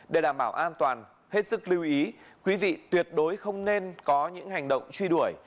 để đảm bảo an toàn hết sức lưu ý quý vị tuyệt đối không nên có những hành động truy đuổi